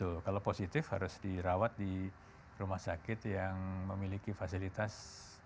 betul kalau positif harus dirawat di rumah sakit yang memiliki fasilitas